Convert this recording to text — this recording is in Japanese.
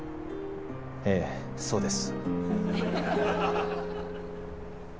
ええそうです。